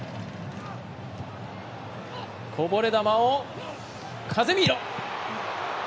こぼれ球をカゼミーロ。